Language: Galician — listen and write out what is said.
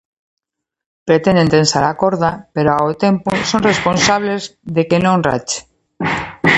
Pretenden tensar a corda pero, ao tempo, son responsables de que non rache.